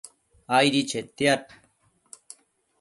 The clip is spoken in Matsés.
aidi chetiad